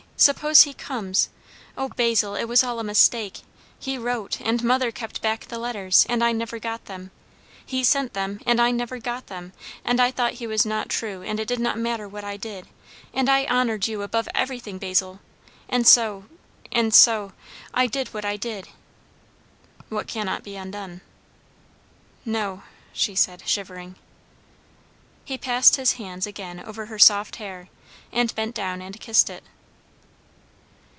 Suppose he comes? O Basil, it was all a mistake; he wrote, and mother kept back the letters, and I never got them; he sent them, and I never got them; and I thought he was not true and it did not matter what I did, and I honoured you above everything, Basil and so and so I did what I did" "What cannot be undone." "No " she said, shivering. He passed his hands again over her soft hair, and bent down and kissed it.